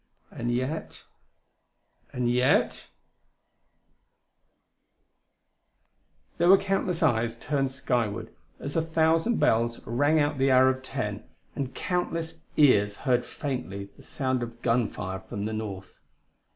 And yet ... and yet.... There were countless eyes turned skyward as a thousand bells rang out the hour of ten; and countless ears heard faintly the sound of gunfire from the north.